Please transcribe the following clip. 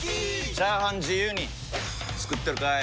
チャーハン自由に作ってるかい！？